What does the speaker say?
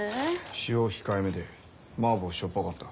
塩控えめで麻婆しょっぱかった。